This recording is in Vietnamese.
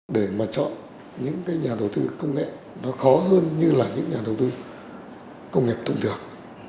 để mà chọn những nhà đầu tư công nghệ nó khó hơn như là những nhà đầu tư công nghiệp thông thường